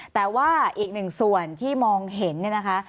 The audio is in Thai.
แต่ว่าอีกหนึ่งส่วนที่มองเห็นเนี่ยนะคะ